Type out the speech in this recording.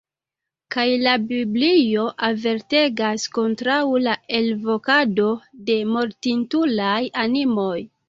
Kaj la Biblio avertegas kontraŭ la elvokado de mortintulaj animoj!